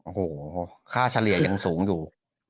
โอ้โหค่าเฉลี่ยยังสูงอยู่